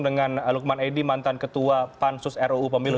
dengan lukman edi mantan ketua pansus ruu pemilu